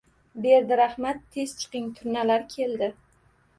– Berdirahmat, tez chiqing, turnalar keldi!